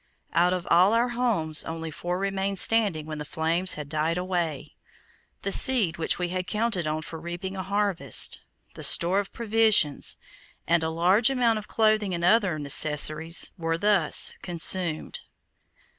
Out of all our houses only four remained standing when the flames had died away. The seed which we had counted on for reaping a harvest, the store of provisions, and a large amount of clothing and other necessaries, were thus consumed.